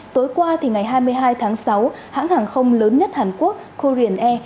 tối qua thì ngày hai mươi hai tháng sáu hãng hàng không lớn nhất hàn quốc korean air